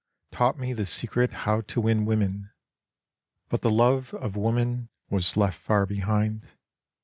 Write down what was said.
Taught me the secret how to win woman ; But the love of woman was left far behind.